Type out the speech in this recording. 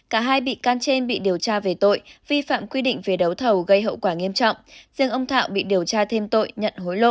cả hai bị can trên bị điều tra về tội vi phạm quy định về đấu thầu gây hậu quả nghiêm trọng riêng ông thọ bị điều tra thêm tội nhận hối lộ